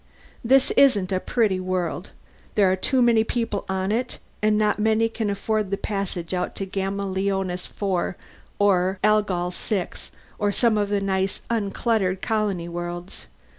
This isn't a pretty world. There are too many people on it, and not many can afford the passage out to Gamma Leonis IV or Algol VII or some of the nice uncluttered colony worlds.